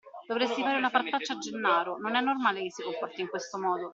Dovresti fare una partaccia a Gennaro, non è normale che si comporti in questo modo.